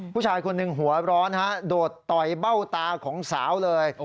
ผู้ชายคนหนึ่งหัวร้อนโดดต่อยเบ้าตาของสาวเลย